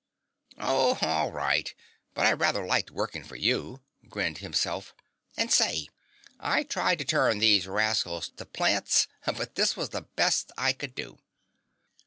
"Oh, all right! But I rather liked working for you," grinned Himself. "And say, I tried to turn these rascals to plants but this was the best I could do."